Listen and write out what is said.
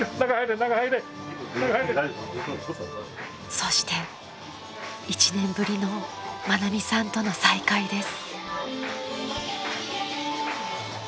［そして１年ぶりの愛美さんとの再会です］